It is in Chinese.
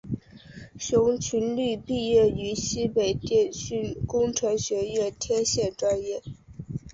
熊群力毕业于西北电讯工程学院天线专业。